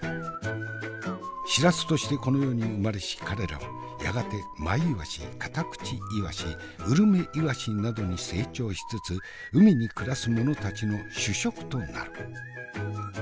シラスとしてこの世に生まれし彼らはやがてマイワシカタクチイワシウルメイワシなどに成長しつつ海に暮らす者たちの主食となる。